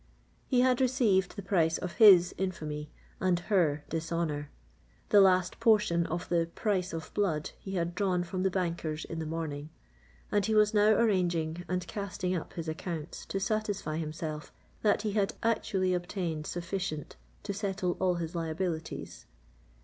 He had received the price of his infamy and her dishonour: the last portion of the "price of blood" he had drawn from the bankers in the morning—and he was now arranging and casting up his accounts to satisfy himself that he had actually obtained sufficient to settle all his liabilities.